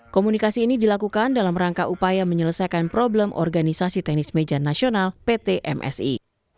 komunikasi ini dilakukan dalam rangka upaya menyelesaikan problem organisasi tenis meja nasional pt msi